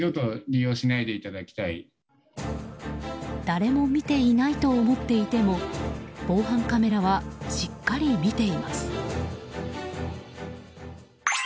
誰も見ていないと思っていても防犯カメラはしっかり見ています。